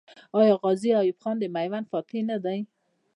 آیا غازي ایوب خان د میوند فاتح نه دی؟